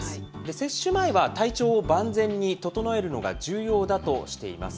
接種前は体調を万全に整えるのが重要だとしています。